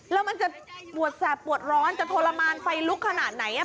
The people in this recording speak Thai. แล้วมันจะปวดแสบปวดร้อนจะทรมานไฟลุกขนาดไหน